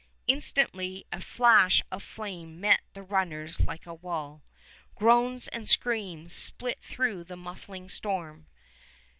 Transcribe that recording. Instantly a flash of flame met the runners like a wall. Groans and screams split through the muffling storm.